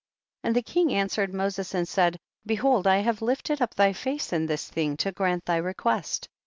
45. And the king answered Mo ses and said, behold I have lifted up thy face in this thing to grant thy re quest.